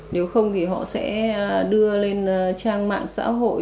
nếu không thì họ sẽ đưa lên trang mạng xã hội